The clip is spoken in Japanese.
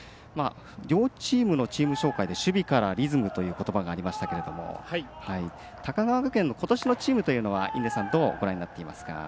両チームのチーム紹介で守備からリズムということばがありましたけども高川学園のことしのチームというのはどうご覧になっていますか？